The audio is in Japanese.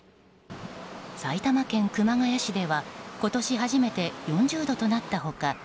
埼玉県熊谷市では今年初めて４０度となった他